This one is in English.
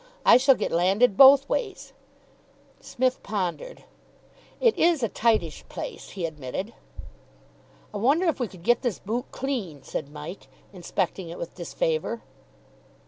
I shall get landed both ways." Psmith pondered. "It is a tightish place," he admitted. "I wonder if we could get this boot clean," said Mike, inspecting it with disfavour.